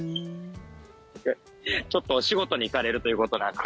ちょっとお仕事に行かれるということなので。